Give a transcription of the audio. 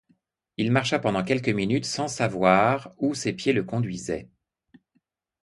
Il marcha pendant quelques minutes, sans savoir où ses pieds le conduisaient.